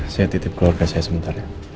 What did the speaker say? saya titip keluarga saya sebentar ya